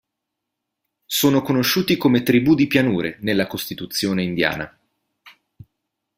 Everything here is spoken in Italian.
Sono conosciuti come tribù di pianure nella costituzione indiana.